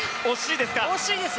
惜しいです。